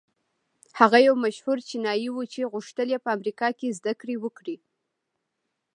هغه يو مشهور چينايي و چې غوښتل يې په امريکا کې زدهکړې وکړي.